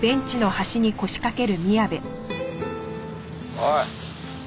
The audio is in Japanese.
おい。